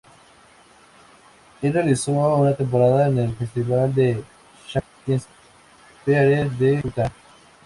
Él realizó una temporada en el Festival de Shakespeare de Utah.